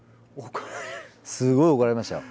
すごい怒られました。